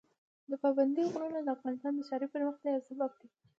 پابندي غرونه د افغانستان د ښاري پراختیا یو سبب دی.